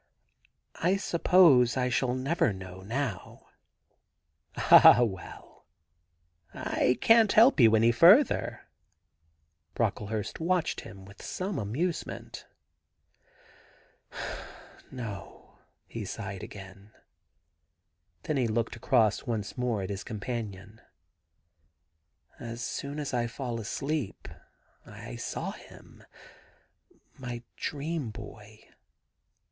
... I suppose I shall never know now.' * Ah, well, I can't help you any further.' Brockle hurst watched him with some amusement. ' No.' He sighed again. Then he looked across once more at his companion. 'As soon as I fell asleep I saw him — my dream boy.